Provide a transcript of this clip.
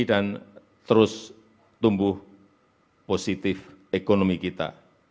dan terus tumbuh positif ekonomi kita